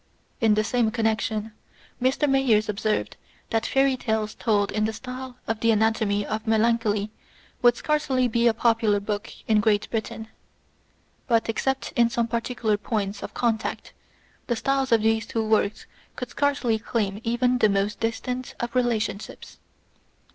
Mr. Mayers made, perhaps, a happier hit when he observed that " fairy tales told in the style of the Anatomy of Melancholy would scarcely be a popular book in Great Britain ;" though except in some particular points of contact, the styles of these two writers could scarcely claim even the most distant of re lationships.